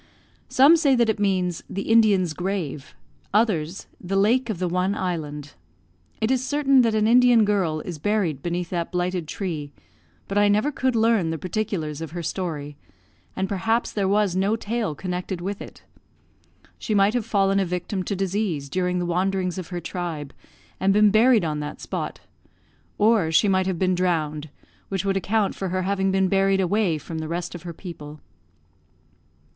Some say that it means "the Indian's grave," others "the lake of the one island." It is certain that an Indian girl is buried beneath that blighted tree; but I never could learn the particulars of her story, and perhaps there was no tale connected with it. She might have fallen a victim to disease during the wanderings of her tribe, and been buried on that spot; or she might have been drowned, which would account for her having been buried away from the rest of her people.